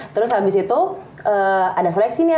terus abis itu ada seleksi nih ya